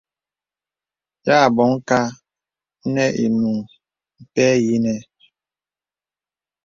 Yà bɔ̀ŋ kà nə inuŋ pɛ̂ yìnə̀.